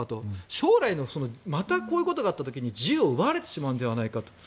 将来またこういうことがあった時に、自由を奪われてしまうんじゃないかと。